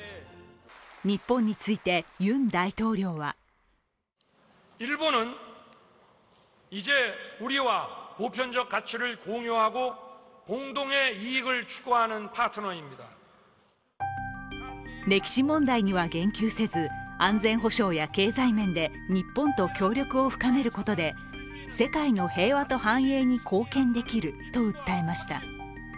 日本について、ユン大統領は歴史問題には言及せず、安全保障や経済面で日本と協力を深めることで世界の平和と繁栄に貢献できると訴えました。